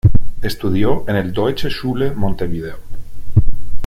Estudió en el Deutsche Schule Montevideo.